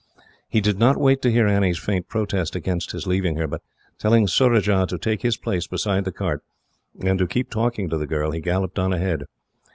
He did not wait to hear Annie's faint protest against his leaving her, but telling Surajah to take his place beside the cart, and to keep talking to the girl, he galloped on ahead.